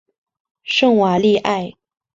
圣瓦利埃。